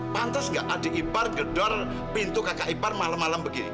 pantes gak adik ipar gedor pintu kakak ipar malem malem begini